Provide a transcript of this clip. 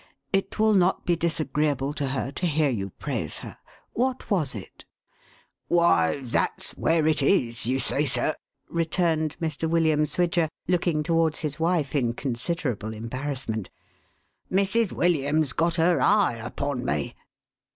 It will not be disagreeable to her to hear you praise her. What was it ?" "Why, that's where it is, you see, sir," returned Mr. William Swidger, looking towards his wife in considerable embarrassment. " Mrs. William's got her eye upon me."